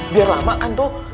biar lama kan tuh